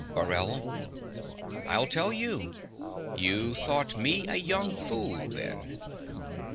MORELL. I'll tell you. You thought me a young fool then.